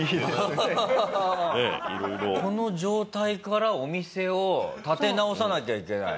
この状態からお店を立て直さなきゃいけない。